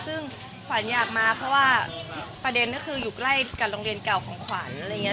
ซึ่งขวัญอยากมาเพราะว่าประเด็นก็คืออยู่ใกล้กับโรงเรียนเก่าของขวัญอะไรอย่างนี้